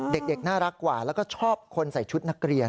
เด็กน่ารักกว่าแล้วก็ชอบคนใส่ชุดนักเรียน